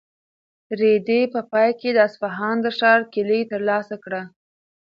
رېدي په پای کې د اصفهان د ښار کیلي ترلاسه کړه.